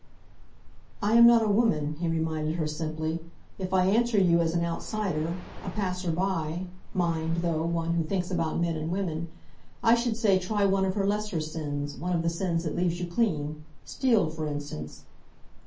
"I am not a woman," he reminded her simply. "If I answer you as an outsider, a passer by mind, though, one who thinks about men and women I should say try one of her lesser sins, one of the sins that leaves you clean. Steal, for instance."